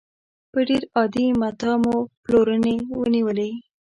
په ډېر عادي متاع مو پلورنې نېولې.